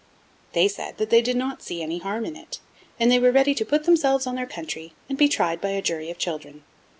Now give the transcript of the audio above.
They said that they did not see any harm in it, and they were ready to 'put themselves on their country,' and be tried by a jury of children.